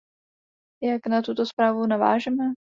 Jak na tuto zprávu navážeme?